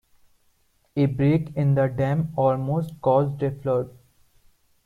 A break in the dam almost caused a flood.